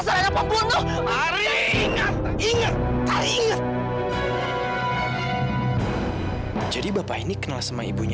sampai jumpa di video selanjutnya